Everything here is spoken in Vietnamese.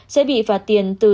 sẽ bị phạt tương tự